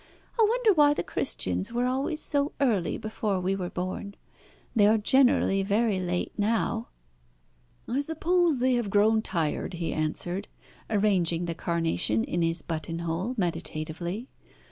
I wonder why the Christians were always so early before we were born? They are generally very late now." "I suppose they have grown tired," he answered, arranging the carnation in his buttonhole meditatively.